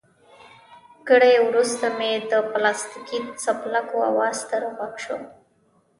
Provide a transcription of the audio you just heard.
ګړی وروسته مې د پلاستیکي څپلکو اواز تر غوږو شو.